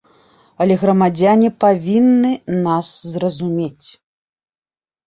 Але грамадзяне павінны нас зразумець.